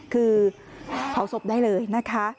คือเผาศพได้เลยนะคะ